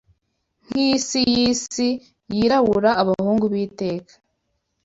nkisi yisi yirabura abahungu b'iteka